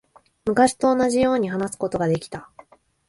昔と同じように話すことができた。